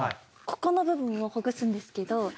ここの部分をほぐすんですけど。